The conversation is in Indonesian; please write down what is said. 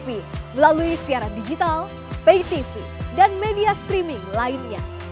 ya tergantung penglihatan saya ya